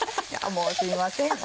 もうすいません。